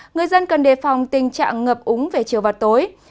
người dân cần đề phòng tình trạng ngập úng về chiều và tối